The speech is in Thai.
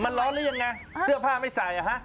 มันร้อนหรือยังไงเสื้อผ้าไม่ใส่อ่ะฮะ